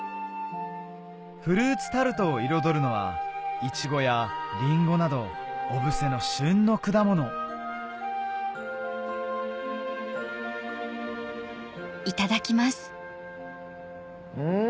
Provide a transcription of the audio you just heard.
フルーツタルトを彩るのはイチゴやリンゴなど小布施の旬の果物うん！